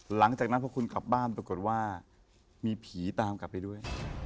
หลังจากนั้นพอคุณกลับบ้านปรากฏว่ามีผีตามกลับไปด้วย